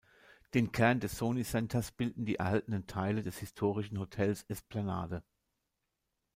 Den Kern des Sony Centers bilden die erhaltenen Teile des historischen Hotels Esplanade.